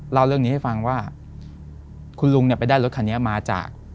เล่าเรื่องนี้ให้ฟังว่าคุณลุงเนี่ยไปได้รถคันนี้มาจาก